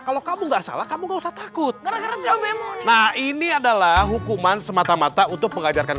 kalau kamu nggak salah kamu nggak usah takut nah ini adalah hukuman semata mata untuk mengajarkan